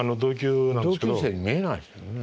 同級生に見えないですけどね。